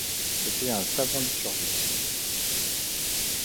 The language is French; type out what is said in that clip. C'était un savant liturgiste.